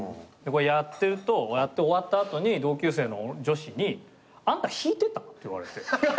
やってるとやって終わった後に同級生の女子に「あんた弾いてた？」って言われて。